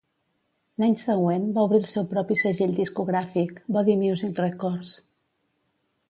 L'any següent, va obrir el seu propi segell discogràfic, Body Music Records.